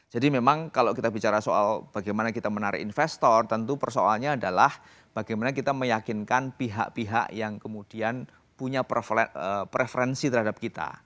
jadi memang kalau kita bicara soal bagaimana kita menarik investor tentu persoalannya adalah bagaimana kita meyakinkan pihak pihak yang kemudian punya preferensi terhadap kita